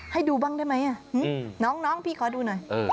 ให้ดูบ้างได้ไหมน้องพี่ขอดูหน่อย